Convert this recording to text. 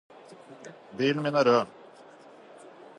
Bilen min er rød.